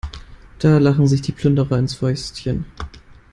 Da lachen sich die Plünderer ins Fäustchen.